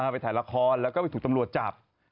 ไปถ่ายละครแล้วก็ไปถูกตำรวจจับ